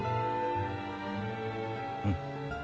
うん。